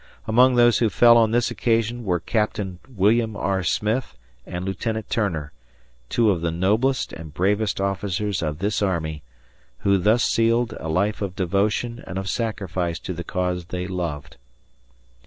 Among those who fell on this occasion were Capt. William R. Smith and Lieutenant Turner, two of the noblest and bravest officers of this army, who thus sealed a life of devotion and of sacrifice to the cause they loved.